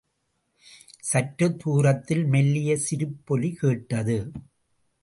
சற்று தூரத்தில் மெல்லிய சிரிப்பொலி கேட்டது.